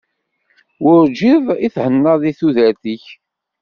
Werǧin i thennaḍ deg tudert-ik.